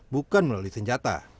bukan melalui senjata